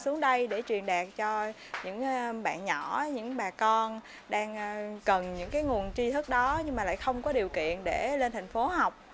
xuống đây để truyền đạt cho những bạn nhỏ những bà con đang cần những cái nguồn tri thức đó nhưng mà lại không có điều kiện để lên thành phố học